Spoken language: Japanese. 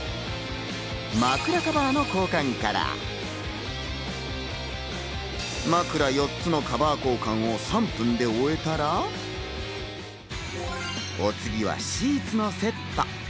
枕カバーの交換から、枕４つのカバー交換を３分で終えたら、お次はシーツのセット。